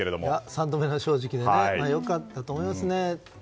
三度目の正直で良かったと思いますね。